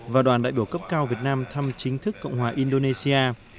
và đoàn đại biểu cấp cao việt nam thăm chính thức cộng hòa indonesia